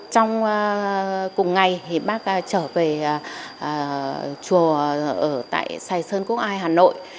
trong cùng ngày thì bác trở về chùa ở tại sài sơn quốc ai hà nội